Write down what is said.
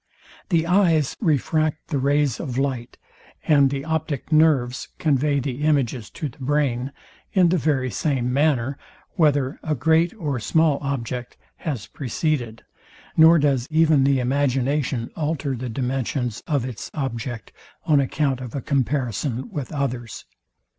The eyes refract the rays of light, and the optic nerves convey the images to the brain in the very same manner, whether a great or small object has preceded; nor does even the imagination alter the dimensions of its object on account of a comparison with others.